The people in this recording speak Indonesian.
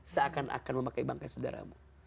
seakan akan memakai bangkai saudaramu